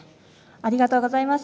ありがとうございます。